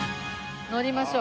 乗りましょう。